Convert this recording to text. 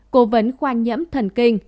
cố vấn khoa nhẫm thần kinh